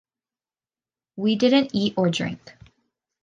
We didn’t eat or drink.